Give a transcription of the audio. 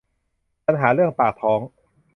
ปัญหาเรื่องปากท้อง